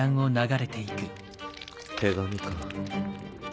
手紙か。